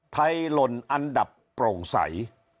ไทรลนด์อันดับโปร่งใส